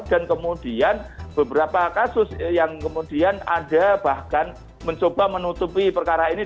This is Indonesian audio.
dan kemudian beberapa kasus yang kemudian ada bahkan mencoba menutupi perkara ini